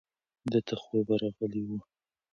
ده ته خوب ورغلی و.